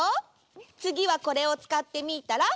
つぎはこれをつかってみたら？